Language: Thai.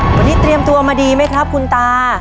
วันนี้เตรียมตัวมาดีไหมครับคุณตา